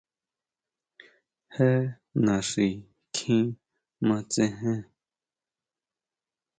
Jé naxi kjin matsejen.